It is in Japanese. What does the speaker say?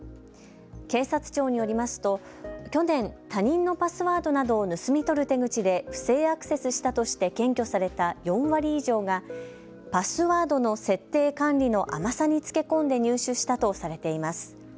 警察庁によりますと去年、他人のパスワードなどを盗み取る手口で不正アクセスしたとして検挙された４割以上がパスワードの設定・管理の甘さにつけ込んで入手したとされています。